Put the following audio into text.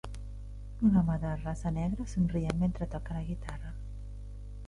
Un home de raça negra somrient mentre toca la guitarra.